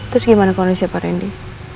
terus gimana kondisinya pak randy